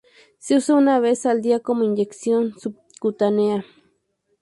Se usa una vez al día como inyección subcutánea.